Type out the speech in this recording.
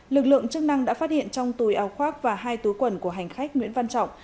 lực lượng chức năng đã phát hiện trong túi áo khoác và hai túi quần của hành khách nguyễn văn trọng